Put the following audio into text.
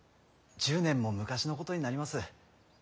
１０年も昔のことになります。